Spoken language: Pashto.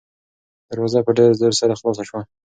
دروازه په ډېر زور سره خلاصه شوه.